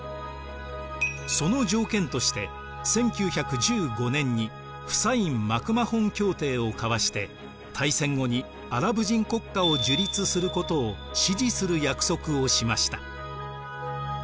その条件として１９１５年にフサイン・マクマホン協定を交わして大戦後にアラブ人国家を樹立することを支持する約束をしました。